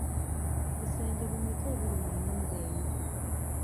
Bisenge bimeka ebiri mu nnyumba eyo?